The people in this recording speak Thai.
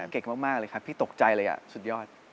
เก่งมากเลยครับพี่ตกใจเลยสุดยอด